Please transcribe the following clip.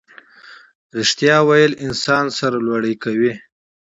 ریښتیا ویل انسان سرلوړی کوي